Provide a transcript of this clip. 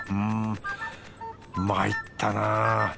うんまいったな。